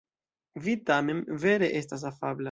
Vi tamen vere estas afabla.